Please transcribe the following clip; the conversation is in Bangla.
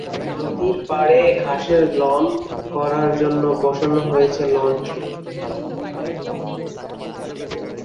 নদীর পাড়ে ঘাসের লন করার জন্য বসানো হয়েছে লন ট্রি।